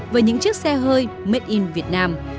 với những chiếc xe hơi made in vietnam